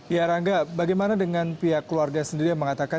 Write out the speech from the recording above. ya rangga bagaimana dengan pihak keluarga sendiri yang mengatakan